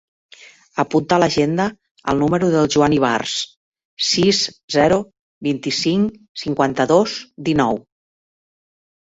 Apunta a l'agenda el número del Joan Ibars: sis, zero, vint-i-cinc, cinquanta-dos, dinou.